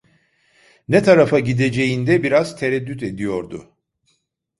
Ne tarafa gideceğinde biraz tereddüt ediyordu.